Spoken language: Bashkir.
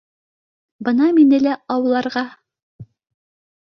Бына мине лә ауларға